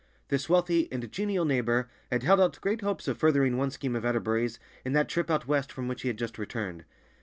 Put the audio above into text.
This wealthy and genial neighbor had held out great hopes of furthering one scheme of Atterbury's in that trip out West from which he had just returned.